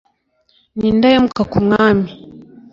ni indahemuka ku Mwami